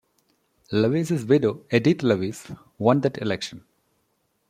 Lewis's widow, Edythe Lewis won that election.